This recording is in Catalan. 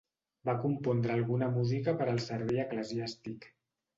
Va compondre alguna música per al servei eclesiàstic.